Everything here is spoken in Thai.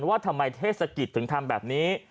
ว่าทำไมเทศกิจถึงทำแบบนี้